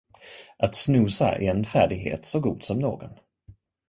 Att snooza är en färdighet så god som någon.